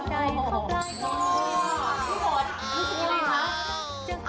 ฮ่าฮ่าฮ่าฮ่า